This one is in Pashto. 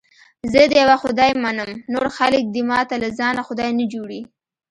زه د یوه خدای منم، نور خلک دې ماته له ځانه خدای نه جوړي.